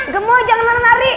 gemoy jangan lari lari